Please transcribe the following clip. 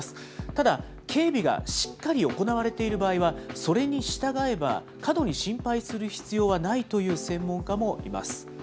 ただ、警備がしっかり行われている場合はそれに従えば、過度に心配する必要はないという専門家もいます。